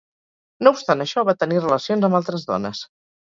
No obstant això va tenir relacions amb altres dones.